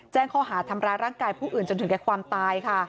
แจ้งข้อหาทำร้ายร่างกายผู้อื่นจนถึงแก่ความตายค่ะ